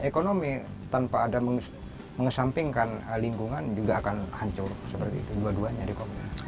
ekonomi tanpa ada mengesampingkan lingkungan juga akan hancur seperti itu dua duanya